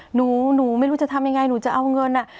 หนูไม่รู้จะทำยังไงหนูจะเอาเงิน